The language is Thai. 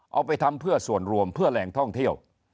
เอาไปทำเพื่อส่วนรวมเพื่อแหล่งท่องเที่ยว